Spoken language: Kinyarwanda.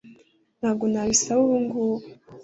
ntabwo nabisaba ubungubu